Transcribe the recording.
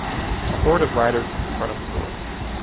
A horde of riders was in front of the door.